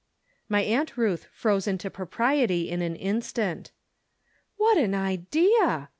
My Aunt Ruth froze into propriety in an in stant. " What an idea